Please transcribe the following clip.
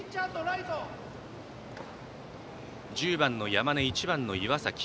１０番の山根と１番の岩崎。